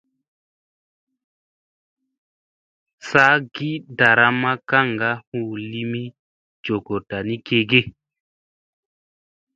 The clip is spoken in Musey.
Saa gi ɗaramma kaŋga hu limi jogoɗta ni gege ?